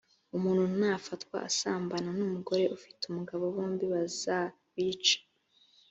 umuntu nafatwa asambana n’umugore ufite umugabo bombi bazabice.